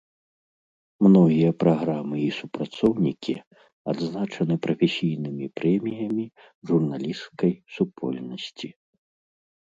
Многія праграмы і супрацоўнікі адзначаны прафесійнымі прэміямі журналісцкай супольнасці.